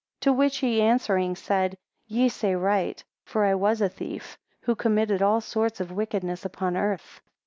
7 To which he answering, said, Ye say right, for I was a thief, who committed all sorts of wickedness upon earth.